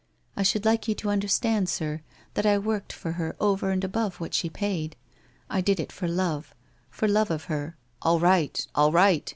I should like you to understand, sir, that I worked for her over and above what she paid. I did it for love — for love of her '* All right. All right